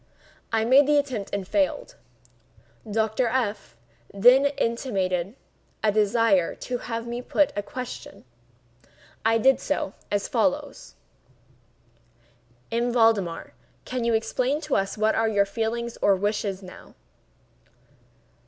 I made the attempt and failed. Dr. F—— then intimated a desire to have me put a question. I did so, as follows: "M. Valdemar, can you explain to us what are your feelings or wishes now?"